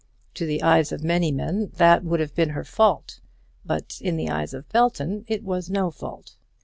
To the eyes of many men that would have been her fault; but in the eyes of Belton it was no fault.